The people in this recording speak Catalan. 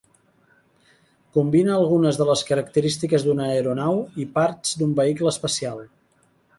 Combina algunes de les característiques d'una aeronau i parts d'un vehicle espacial.